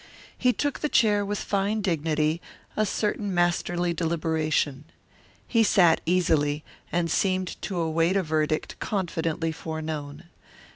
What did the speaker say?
He took the chair with fine dignity, a certain masterly deliberation. He sat easily, and seemed to await a verdict confidently foreknown.